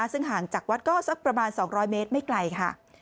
ซึ่งห่างจากวัดก็สักประมาณ๒๐๐เมตรไม่ไกลค่ะ